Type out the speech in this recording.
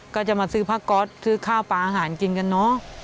ก็จะมาซื้อผ้าก๊อตซื้อข้าวปลาอาหารกินกันเนอะ